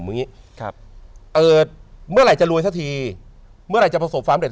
อย่างงี้ครับเอ่อเมื่อไหร่จะรวยสักทีเมื่อไหร่จะประสบความเร็